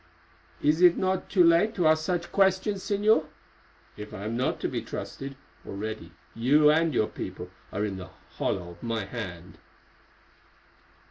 "Is it not too late to ask such questions, Señor? If I am not to be trusted, already you and your people are in the hollow of my hand?"